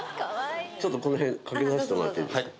ちょっとこの辺掛けさせてもらっていいですか？